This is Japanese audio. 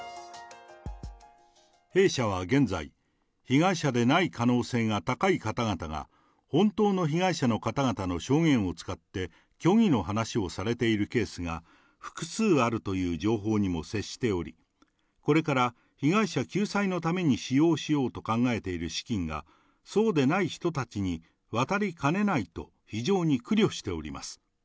弊社は現在、被害者でない可能性が高い方々が、本当の被害者の方々の証言を使って虚偽の話をされているケースが複数あるという情報にも接しており、これから被害者救済のために使用しようと考えている資金が、そうでない人たちに渡りかねないと、非常に苦慮しております。